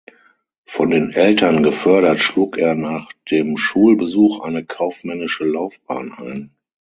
Von den Eltern gefördert schlug er nach dem Schulbesuch eine kaufmännische Laufbahn ein.